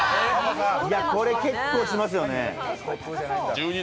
これ結構しますよね。